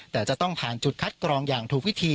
แต่จะต้องผ่านจุดคัดกรองอย่างถูกวิธี